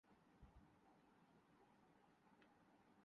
سچ ہے ہمیں کو آپ کے شکوے بجا نہ تھے